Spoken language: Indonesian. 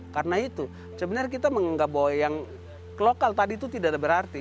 karena itu sebenarnya kita menganggap bahwa yang lokal tadi itu tidak berarti